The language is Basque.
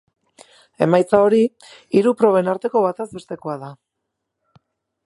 Emaitza hori hiru proben arteko batez bestekoa da.